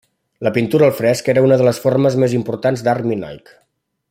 La pintura al fresc era una de les formes més importants d'art minoic.